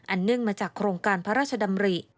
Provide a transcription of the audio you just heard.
เนื่องมาจากโครงการพระราชดำริ